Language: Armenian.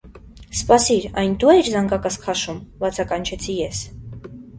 - Սպասիր, այն դո՞ւ էիր զանգակս քաշում,- բացականչեցի ես: